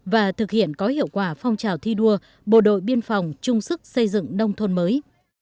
và thực hiện có hiệu quả phong trào thi đua bộ đội biên phòng chung sức xây dựng nông thôn mới